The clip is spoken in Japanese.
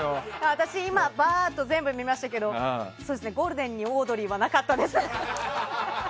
私今、バーッと見ましたけどゴールデンにオードリーはなかったです。